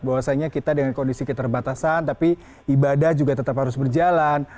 bahwasanya kita dengan kondisi keterbatasan tapi ibadah juga tetap harus berjalan